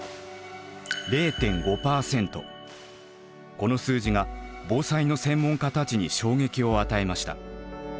この数字が防災の専門家たちに衝撃を与えました。